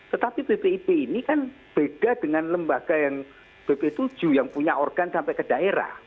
tetapi bpip ini kan beda dengan lembaga yang bp tujuh yang punya organ sampai ke daerah